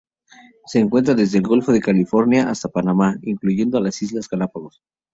Se encuentra desde el Golfo de California hasta Panamá, incluyendo las Islas Galápagos.